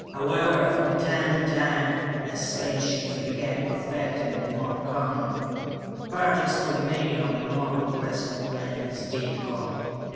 However, from time to time, as space ships became perfected and more common, parties from many of the more progressive planets did call.